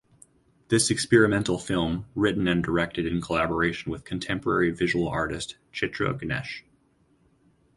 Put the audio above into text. This experimental film written and directed in collaboration with contemporary visual artist Chitra Ganesh.